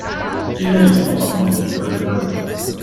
Il l’a laissée en partant, l’honnête homme !…